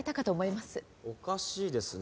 おかしいですね。